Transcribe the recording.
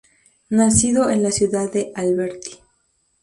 Nacido en la ciudad de Alberti.